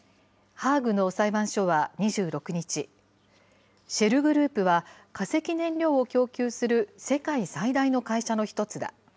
ハーグの裁判所は２６日、シェルグループは、化石燃料を供給する世界最大の会社の一つだ。